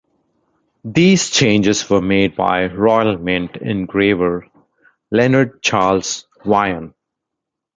These changes were made by Royal Mint engraver Leonard Charles Wyon.